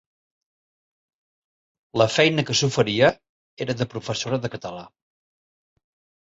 La feina que s’oferia era de professora de català.